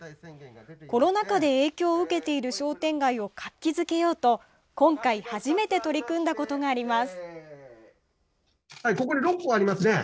コロナ禍で影響を受けている商店街を活気づけようと今回初めて取り組んだことがあります。